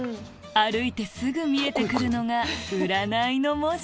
歩いてすぐ見えてくるのが「占」の文字